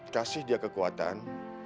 kasih dia kekuatan